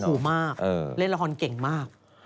ถูกมากเล่นละครเก่งมาก